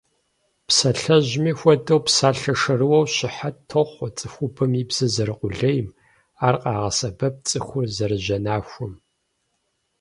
Псалъэжьми хуэдэу, псалъэ шэрыуэр щыхьэт тохъуэ цӀыхубэм и бзэр зэрыкъулейм, ар къэзыгъэсэбэп цӀыхур зэрыжьэнахуэм.